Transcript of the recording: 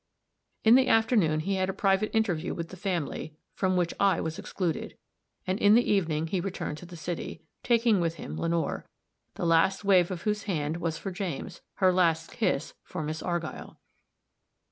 In the afternoon he had a private interview with the family, from which I was excluded; and in the evening he returned to the city, taking with him Lenore, the last wave of whose hand was for James, her last kiss for Miss Argyll.